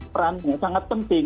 perannya sangat penting